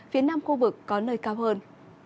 phía nam khu vực có nơi cao hơn